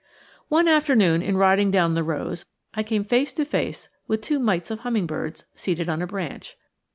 One afternoon in riding down the rows, I came face to face with two mites of hummingbirds seated on a branch.